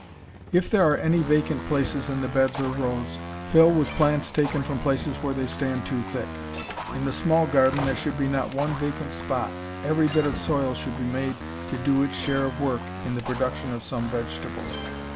If there are any vacant places in the beds or rows, fill with plants taken from places where they stand too thick. In the small garden there should be not one vacant spot. Every bit of soil should be made to do its share of work in the production of some vegetable.